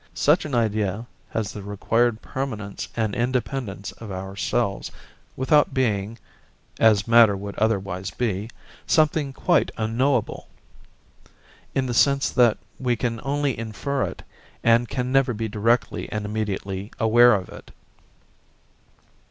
Such an idea has the required permanence and independence of ourselves, without being as matter would otherwise be something quite unknowable, in the sense that we can only infer it, and can never be directly and immediately aware of it.